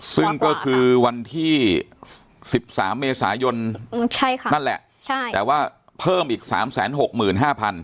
ซึ่งก็คือวันที่สิบสามเมษายนอืมใช่ค่ะนั่นแหละใช่แต่ว่าเพิ่มอีกสามแสนหกหมื่นห้าพัน